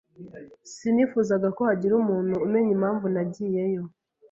Sinifuzaga ko hagira umenya impamvu nagiyeyo.